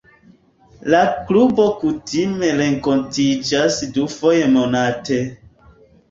La klubo kutime renkontiĝas dufoje monate.